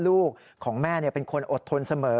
ลูกของแม่เป็นคนอดทนเสมอ